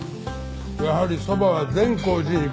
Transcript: やはりそばは善光寺に限るね。